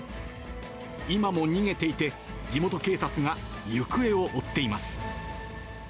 今も逃げていて、地元警察が行方を追っています。